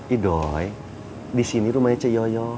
idoy di sini rumahnya cek yoyo